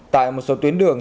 tại một số tuyến đường